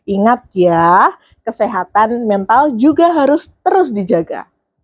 ingat ya kesehatan mental juga harus terus dijaga